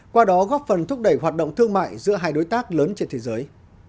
qua đó góp phần thúc đẩy hoạt động thương mại giữa hai đối tác lớn trên thế giới